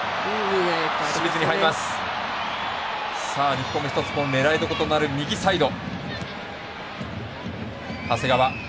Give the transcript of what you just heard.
日本、狙いどころとなる右サイド。